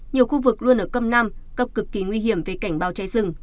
nhiều khu vực luôn ở cấp năm cấp cực kỳ nguy hiểm về cảnh báo cháy rừng